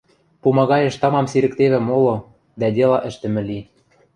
Пумагаэш тамам сирӹктевӹ моло, дӓ дела ӹштӹмӹ ли.